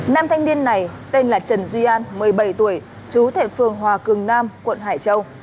nam thanh niên này tên là trần duy an một mươi bảy tuổi chú thệ phường hòa cường nam quận hải châu